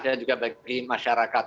dan juga bagi masyarakat